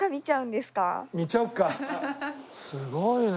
すごいね。